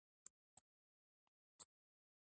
تجارت کې ښکېلتیا د قدرت یوه مهمه سرچینه وه.